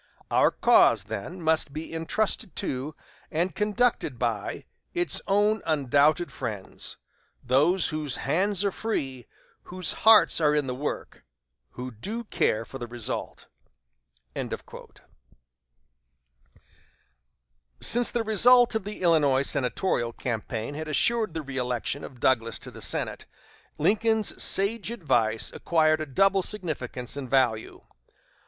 Our cause, then, must be intrusted to, and conducted by, its own undoubted friends those whose hands are free, whose hearts are in the work, who do care for the result." Since the result of the Illinois senatorial campaign had assured the reëlection of Douglas to the Senate, Lincoln's sage advice acquired a double significance and value.